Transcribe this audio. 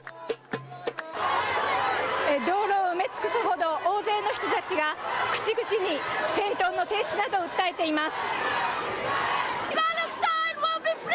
道路を埋め尽くすほど大勢の人たちが、口々に戦闘の停止などを訴えています。